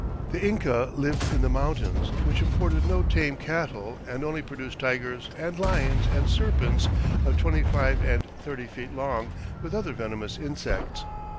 The Inca lived in the Mountains, which afforded no tame Cattel; and only produced Tigers and Lions and Serpents of twenty five and thirty feet long, with other venomous insects."